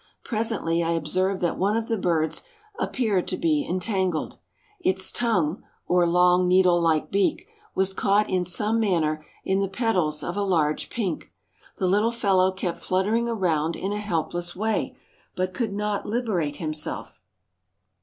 Presently I observed that one of the birds appeared to be entangled. Its tongue, or long, needle like beak, was caught in some manner in the petals of a large pink. The little fellow kept fluttering around in a helpless way, but could not liberate itself.